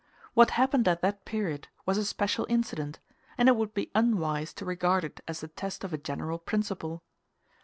What happened at that period was a special incident, and it would be unwise to regard it as the test of a general principle.